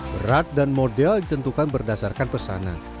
berat dan model ditentukan berdasarkan pesanan